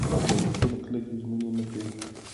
دولتونه کلکې ژمنې نه کوي.